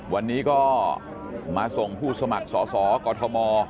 วันนี้ก็มาส่งผู้สมัครสอสอกอทม